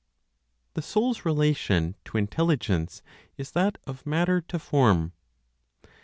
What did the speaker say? THE SOUL'S RELATION TO INTELLIGENCE IS THAT OF MATTER TO FORM.